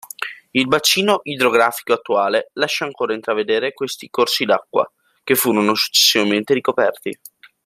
Il bacino idrografico attuale lascia ancora intravedere questi corsi d'acqua, che furono successivamente ricoperti.